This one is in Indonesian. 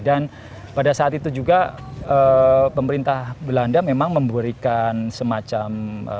dan pada saat itu juga pemerintah belanda memang memberikan semacam